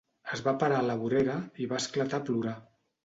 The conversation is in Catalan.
Es va parar a la vorera i va esclatar a plorar.